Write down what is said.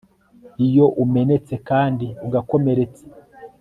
iyo umenetse kandi ugakomeretsa